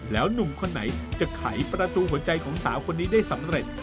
แล้วหนุ่มคนไหนจะไขประตูหัวใจของสาวคนนี้ได้สำเร็จ